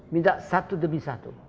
minta satu demi satu